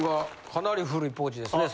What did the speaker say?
かなり古いポーチですね